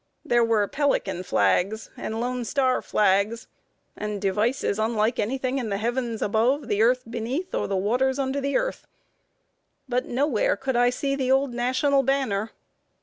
There were Pelican flags, and Lone Star flags, and devices unlike any thing in the heavens above, the earth beneath, or the waters under the earth; but nowhere could I see the old National banner.